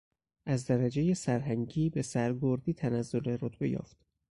از درجهی سرهنگی به سرگردی تنزل رتبه یافت.